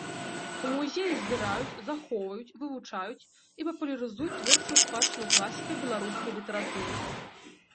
У музеі збіраюць, захоўваюць, вывучаюць і папулярызуюць творчую спадчыну класіка беларускай літаратуры.